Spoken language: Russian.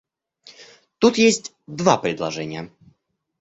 Тут есть два предложения.